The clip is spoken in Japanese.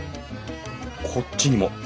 こっちにも。